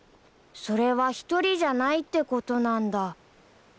それはひとりじゃないってことなんだ